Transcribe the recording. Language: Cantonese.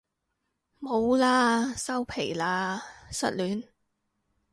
冇喇收皮喇失戀